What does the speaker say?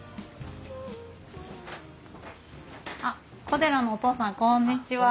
小寺のお父さんこんにちは。